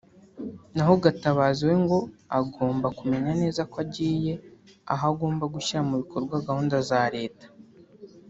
naho Gatabazi we ngo agomba kumenya neza ko agiye aho agomba gushyira mu bikorwa gahunda za leta